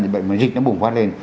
nhưng mà dịch nó bùng phát lên